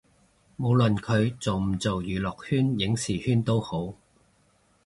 無論佢做唔做娛樂圈影視圈都好